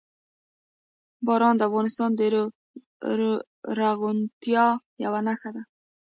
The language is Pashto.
باران د افغانستان د زرغونتیا یوه نښه ده.